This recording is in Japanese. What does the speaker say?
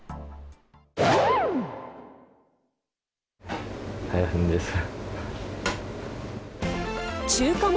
大変です。